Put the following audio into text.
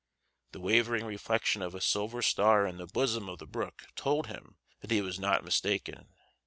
The wavering reflection of a silver star in the bosom of the brook told him that he was not mistaken.